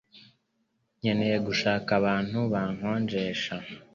Nkeneye gushaka abantu bakonjesha